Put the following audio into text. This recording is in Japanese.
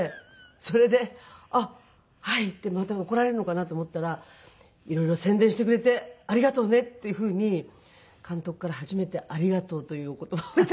それで「はい」って。また怒られるのかなと思ったら「色々宣伝してくれてありがとうね」っていうふうに監督から初めて「ありがとう」というお言葉を頂いて。